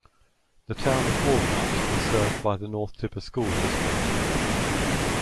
The Town of Walnut is served by the North Tippah School District.